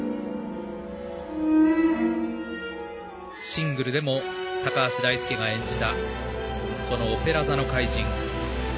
シングルでも高橋大輔が演じた「オペラ座の怪人」。